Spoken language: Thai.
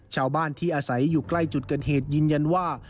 ชาวบ้านที่อาศัยอยู่ใกล้จุดเกิดเหตุยืนยันว่า